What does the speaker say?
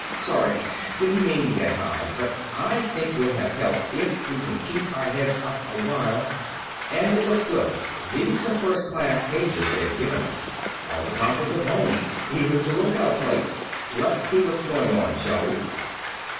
"Sorry. Didn't mean to get high, but I think we'll have help, if we can keep our heads up a while. And it looks good these are first class cages they've given us. All the comforts of home, even to lookout plates. Let's see what's going on, shall we?"